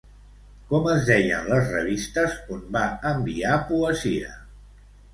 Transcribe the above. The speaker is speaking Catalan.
Com es deien les revistes on va enviar poesia?